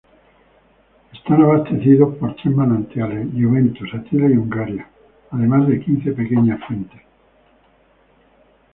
Están abastecidos por tres manantiales: Juventus, Attila y Hungaria, además de quince pequeñas fuentes.